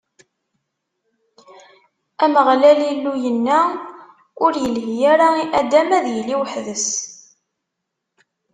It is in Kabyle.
Ameɣlal Illu yenna: Ur ilhi ara i Adam ad yili weḥd-s.